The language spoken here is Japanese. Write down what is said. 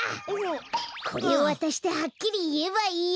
これをわたしてはっきりいえばいいよ。